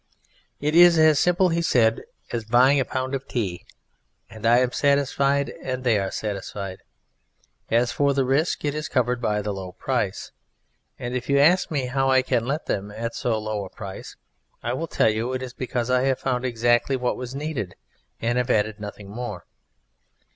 "It is as simple," he said, "as buying a pound of tea. I am satisfied, and they are satisfied. As for the risk, it is covered by the low price, and if you ask me how I can let them at so low a price, I will tell you. It is because I have found exactly what was needed and have added nothing more.